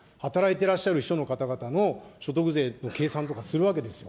てらっしゃる秘書の方々の所得税の計算とかをするわけですよ。